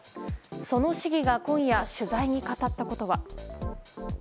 その市議が今夜、取材に語ったこととは。